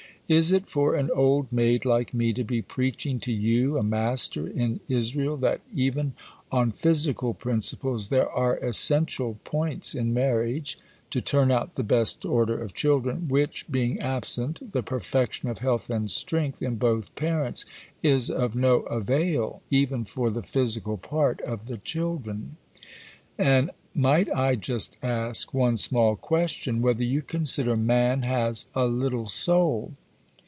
Is it for an old maid like me to be preaching to you a Master in Israel that even "on physical principles" there are essential points in marriage (to turn out the best order of children), which, being absent, the perfection of "health and strength" in both parents is of no avail even for the physical part of the children? And might I just ask one small question: whether you consider man has a little soul?